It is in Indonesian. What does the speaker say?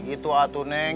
gitu atu neng